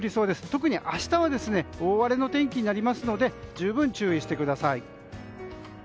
特に明日は大荒れの天気になりますので十分注意してください。